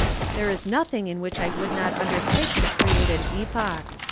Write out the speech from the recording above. There is nothing in which I would not undertake to create an epoch.